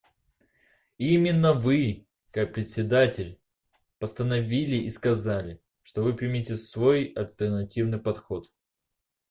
И именно Вы, как Председатель, постановили и сказали, что Вы примете свой альтернативный подход.